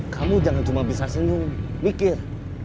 kamu jangan cuma bisa senyum mikir